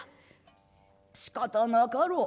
「しかたなかろう。